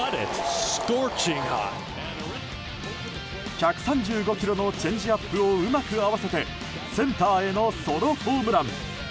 １３５キロのチェンジアップをうまく合わせてセンターへのソロホームラン。